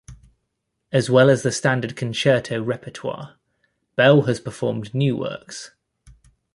As well as the standard concerto repertoire, Bell has performed new works.